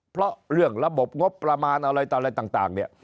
เพราะเรื่องระบบงบประมาณอะไรต่ออะไรต่างเนี่ย